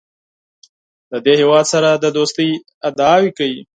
د دې هېواد سره د دوستۍ ادعاوې کوي.